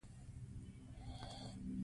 فایروالونه د سایبري بریدونو مخه نیسي.